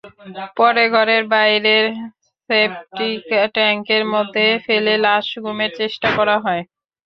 পরে ঘরের বাইরের সেপটিক ট্যাংকের মধ্যে ফেলে লাশ গুমের চেষ্টা করা হয়।